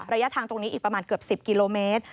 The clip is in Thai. ระยะทางตรงนี้อีกประมาณเกือบ๑๐กิโลเมตร